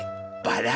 バラ。